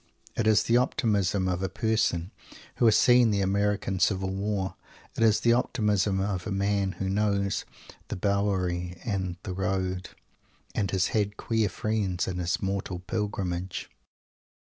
It is the optimism of a person who has seen the American Civil War. It is the optimism of a man who knows "the Bowery" and "the road," and has had queer friends in his mortal pilgrimage.